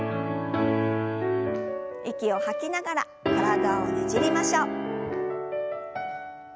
息を吐きながら体をねじりましょう。